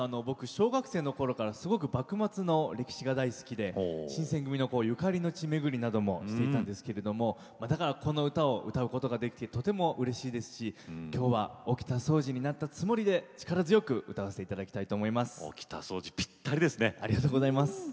僕小学生のころからすごく幕末の歴史が大好きで新選組のゆかりの地巡りなどもしていたんですけれどもだからこの歌を歌うことができてとてもうれしいですしきょうは沖田総司になったつもりで力強く歌わせていただきたいと思います。